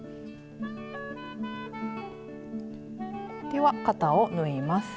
では肩を縫います。